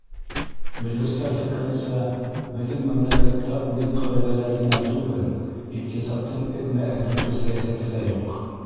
Белгестәр фекеренсә, беҙҙең мәмләкәттә уйын ҡағиҙәләре генә түгел, иҡтисадтың эҙмә-эҙлекле сәйәсәте лә юҡ.